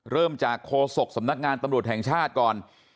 เริ่มจากโฆษกสำนักงานตำรวจแห่งชาติก่อน